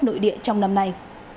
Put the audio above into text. nội địa trong năm nay